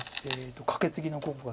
カケツギの５個が。